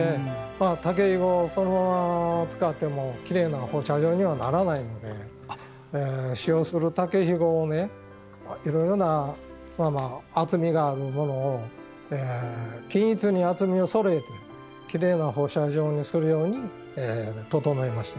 竹ひごをそのまま使ってもきれいな放射状にはならないので使用する竹ひごをいろいろな厚みがあるものを均一に厚みをそろえてきれいな放射状にするように整えました。